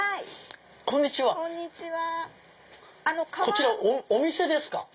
こちらお店ですか？